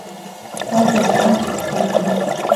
費事睬你，早唞